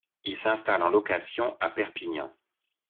Il s'installe en location à Perpignan.